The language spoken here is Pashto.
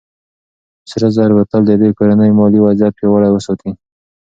سره زر به تل د دې کورنۍ مالي وضعيت پياوړی وساتي.